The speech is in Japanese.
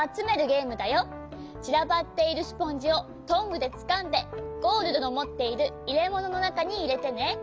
ちらばっているスポンジをトングでつかんでゴールドのもっているいれもののなかにいれてね。